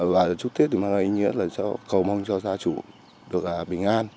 và chúc tết thì mang ý nghĩa là cầu mong cho gia chủ được bình an